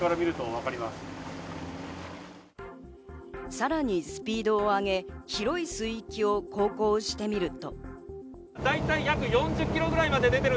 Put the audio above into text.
さらにスピードを上げ、広い水域を航行してみると。